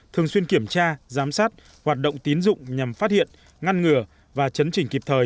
thường xuyên kiểm tra giám sát hoạt động tín dụng nhằm phát hiện ngăn ngừa và chấn chỉnh kịp thời